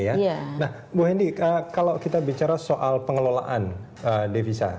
nah bu hendy kalau kita bicara soal pengelolaan devisa